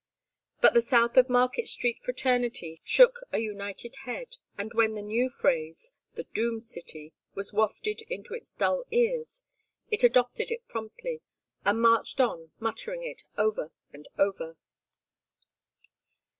But the South of Market Street fraternity shook a united head, and when the new phrase, The doomed city, was wafted into its dull ears, it adopted it promptly, and marched on muttering it over and over.